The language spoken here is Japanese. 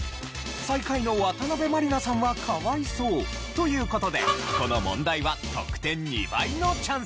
最下位の渡辺満里奈さんは可哀想という事でこの問題は得点２倍のチャンス！